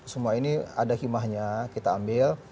semua ini ada himahnya kita ambil